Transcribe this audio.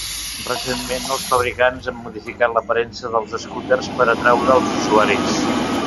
Recentment, els fabricants han modificat l'aparença dels escúters per atraure els usuaris.